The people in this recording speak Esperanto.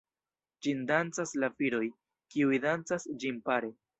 Ĝin dancas la viroj, kiuj dancas ĝin pare.